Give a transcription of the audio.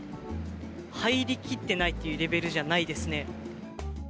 入りきってないっていうレベルじゃないですね